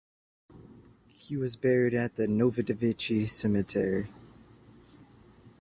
He was buried at the Novodevichy Cemetery.